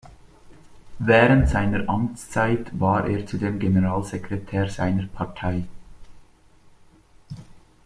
Während seiner Amtszeit war er zudem Generalsekretär seiner Partei.